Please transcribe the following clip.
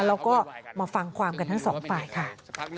แล้วก็มาฟังความกันทั้งสองฝ่ายค่ะ